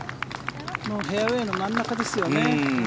フェアウェーの真ん中ですよね。